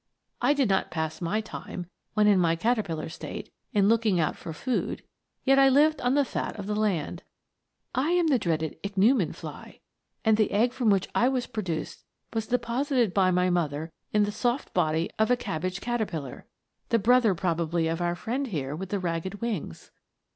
I did not pass my time, when in my caterpillar state, in looking out for food; yet I lived on the fat of the land. I am the dreaded ichneumon fly, and the egg from which I was produced was deposited by my mother in the soft body of a cabbage caterpillar, the brother probably of our friend here with the ragged wings.